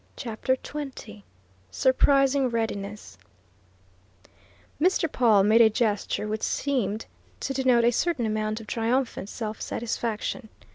CHAPTER XX SURPRISING READINESS Mr. Pawle made a gesture which seemed to denote a certain amount of triumphant self satisfaction.